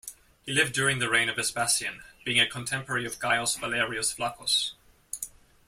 He lived during the reign of Vespasian, being a contemporary of Gaius Valerius Flaccus.